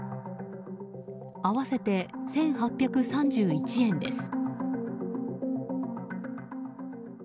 合わせて１８３１円です。